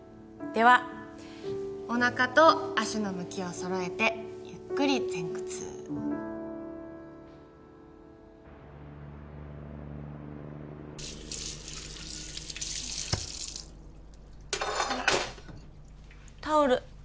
ではおなかと足の向きを揃えてゆっくり前屈タオル